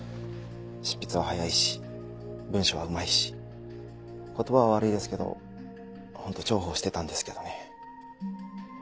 執筆は早いし文章はうまいし言葉は悪いですけど本当重宝してたんですけどね。